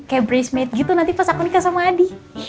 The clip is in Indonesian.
kayak bridesmaid gitu pas aku nikah sama adi